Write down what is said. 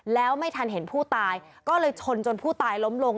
แล้วไม่ทันเห็นผู้ตายก็เลยชนจนผู้ตายล้มลง